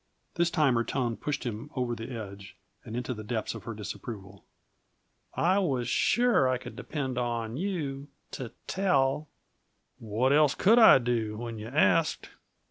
This time her tone pushed him over the edge and into the depths of her disapproval. "I was sure I could depend upon you to tell!" "What else could I do, when you asked?"